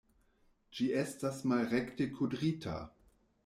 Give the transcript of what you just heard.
Ĝi estas malrekte kudrita!